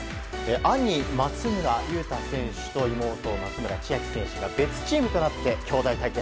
兄・松村雄太選手と妹・松村千秋選手が別チームとなってきょうだい対決。